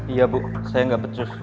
iya bu saya gak becus